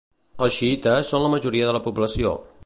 Els xiïtes són la majoria de la població.